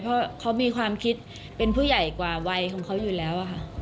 เพราะเขามีความคิดเป็นผู้ใหญ่กว่าวัยของเขาอยู่แล้วค่ะ